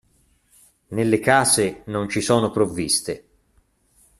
Nelle case non ci sono provviste.